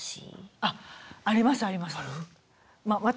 あっありますあります。